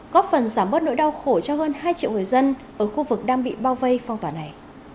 góp phần giảm bớt nỗi đau khổ cho hơn hai triệu người dân ở khu vực đang bị bao vây phong tỏa này